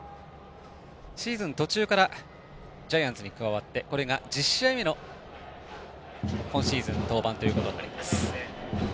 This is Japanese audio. シーズン途中からジャイアンツに加わってこれが１０試合目の今シーズン登板となります。